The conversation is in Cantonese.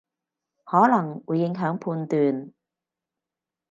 可能會影響判斷